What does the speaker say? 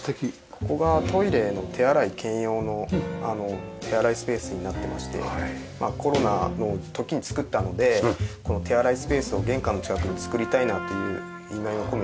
ここがトイレの手洗い兼用の手洗いスペースになってましてコロナの時に造ったのでこの手洗いスペースを玄関の近くに造りたいなという意味合いを込めてここに。